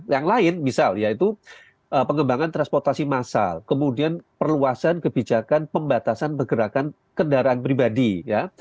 yang lain misal yaitu pengembangan transportasi massal kemudian perluasan kebijakan pembatasan pergerakan kendaraan pribadi ya